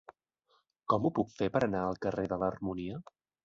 Com ho puc fer per anar al carrer de l'Harmonia?